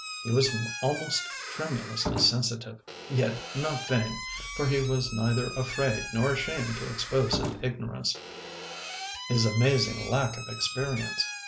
He was almost tremulously sensitive, yet not vain, for he was neither afraid nor ashamed to expose his ignorance, his amazing lack of experience.